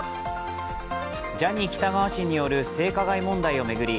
ジャニー喜多川氏による性加害問題を巡り